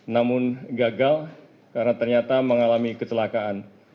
namun gagal karena ternyata mengalami kecelakaan